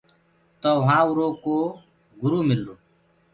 تو وهآنٚ اُرو ڪو گرُ ملرو۔